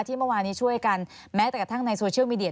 เมื่อวานนี้ช่วยกันแม้แต่กระทั่งในโซเชียลมีเดีย